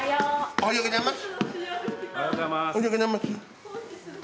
おはようございます。